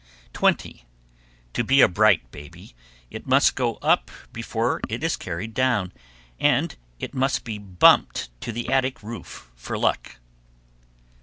_ 20. To be a bright baby, it must go up before it is carried down, and it must be bumped to the attic roof for luck.